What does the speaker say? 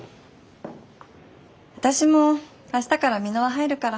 私も明日から美ノ和入るから。